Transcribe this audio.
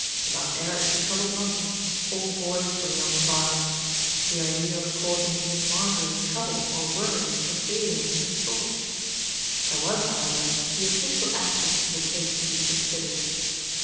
About Eric he troubled nothing, all boys were "young varmen"; but the idea of causing Miss Marjorie trouble or worry was alien to his thoughts. There was, however, the official aspect of the case to be considered.